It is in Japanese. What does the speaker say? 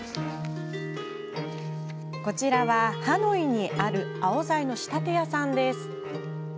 こちらは、ハノイにあるアオザイの仕立て屋さん。